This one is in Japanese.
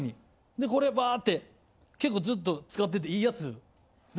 でこれバーッて結構ずっと使ってていいやつで。